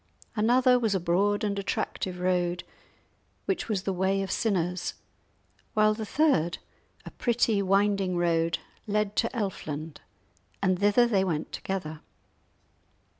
Another was a broad and attractive road, which was the way of sinners; whilst the third, a pretty winding road, led to Elfland, and thither they went together.